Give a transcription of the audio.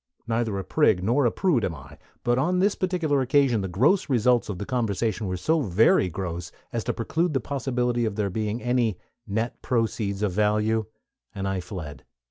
Neither a prig nor a prude am I; but on this particular occasion the gross results of the conversation were so very gross as to preclude the possibility of there being any "net proceeds" of value, and I fled.